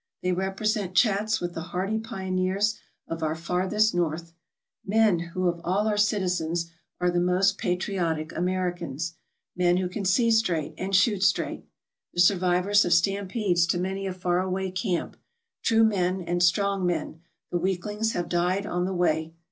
They represent chats with the hardy pioneers of our farthest North; men who of all our citizens are the most patriotic Americans; men who can see straight and shoot straight; the survivors of stampedes to many a far away camp, true men, and strong men, tfie weaklings having^ died on the way.